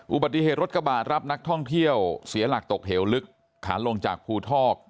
อุบัติเหตุรถกระบะรับนักท่องเที่ยวเสียหลักตกเหวลึกขาลงจากภูทอก